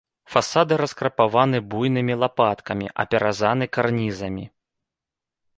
Фасады раскрапаваны буйнымі лапаткамі, апяразаны карнізамі.